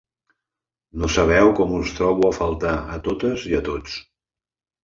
No sabeu com us trobo a faltar a totes i a tots.